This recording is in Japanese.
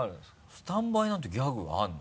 スタンバイなんてギャグあるの？